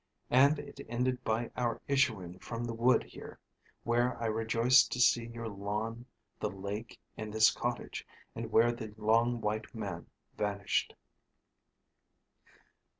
and it ended by our issuing from the wood here, where I rejoiced to see your lawn, the lake, and this cottage, and where the long white man vanished."